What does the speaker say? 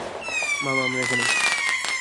মা, মা, আমরা এখানে!